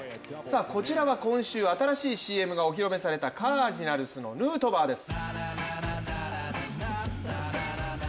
こちらは今週、新しいＣＭがお披露目されたカージナルスのヌートバーです。